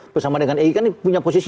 bersama dengan egy kan punya posisi